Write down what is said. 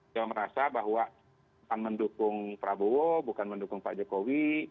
dia merasa bahwa bukan mendukung prabowo bukan mendukung pak jokowi